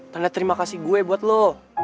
karena terima kasih gue buat lo